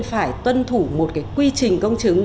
phải tuân thủ một quy trình công chứng